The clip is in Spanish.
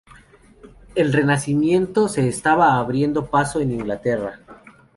El Renacimiento se estaba abriendo paso en Inglaterra.